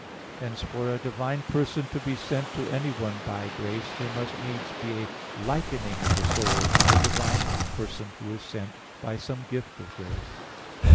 Hence for a divine person to be sent to anyone by grace, there must needs be a likening of the soul to the divine person Who is sent, by some gift of grace.